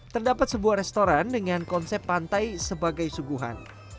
terdapat sebuah restoran dengan konsep pantai sebagai suguhan